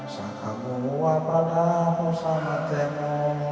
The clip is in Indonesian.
saka bunuh apadah musamatemu